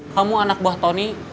kamu anak buah tony